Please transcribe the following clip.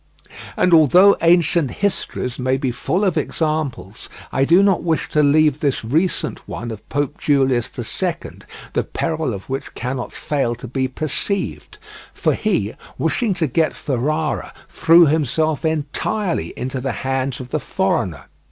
And although ancient histories may be full of examples, I do not wish to leave this recent one of Pope Julius the Second, the peril of which cannot fail to be perceived; for he, wishing to get Ferrara, threw himself entirely into the hands of the foreigner.